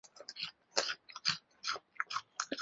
在瓦努阿图没有普遍禁止基于性取向的就业歧视。